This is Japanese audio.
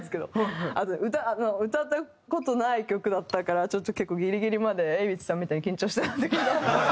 歌歌った事ない曲だったからちょっと結構ギリギリまでＡｗｉｃｈさんみたいに緊張してたんだけど。